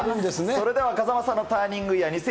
それでは風間さんのターニングイヤー、２０１１年。